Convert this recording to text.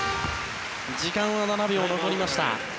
時間は７秒残りました。